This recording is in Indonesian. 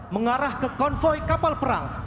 mengarah ke konvoy kapal perang